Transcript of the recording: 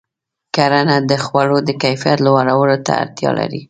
کرنه د خوړو د کیفیت لوړولو ته اړتیا لري.